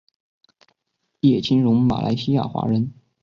叶清荣马来西亚华人。